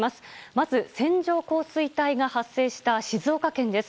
まず線状降水帯が発生した静岡県です。